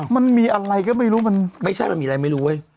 มันมีอะไรก็ไม่รู้มันไม่ใช่มันมีอะไรไม่รู้เว้ย